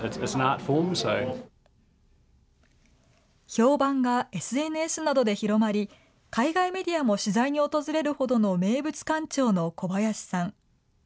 評判がＳＮＳなどで広まり、海外メディアも取材に訪れるほどの名物館長の小林さん。